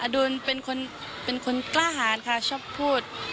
ดูลเป็นคนกล้าหารค่ะชอบพูด